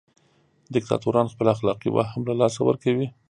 دیکتاتوران خپل اخلاقي وهم له لاسه ورکوي.